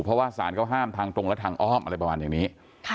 เพราะว่าสารเขาห้ามทางตรงและทางอ้อมอะไรประมาณอย่างนี้